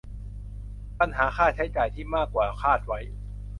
ปัญหาค่าใช้จ่ายที่มากกว่าคาดไว้